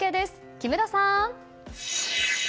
木村さん。